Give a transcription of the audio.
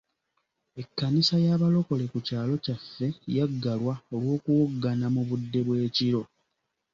Ekkanisa y'abalokole ku kyalo kyaffe yaggalwa olw'okuwoggana mu budde bw'ekiro.